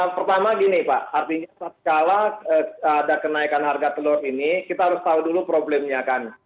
pertama gini pak artinya setelah ada kenaikan harga telur ini kita harus tahu dulu problemnya kan